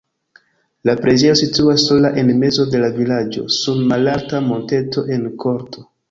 La preĝejo situas sola en mezo de la vilaĝo sur malalta monteto en korto.